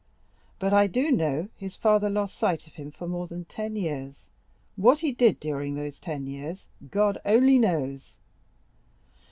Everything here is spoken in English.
But I do know his father lost sight of him for more than ten years; what he did during these ten years, God only knows.